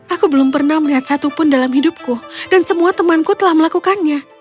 aku belum pernah melihat satupun dalam hidupku dan semua temanku telah melakukannya